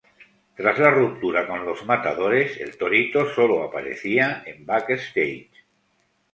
Tras la ruptura con los Matadores, El Torito sólo aparecía en backstage.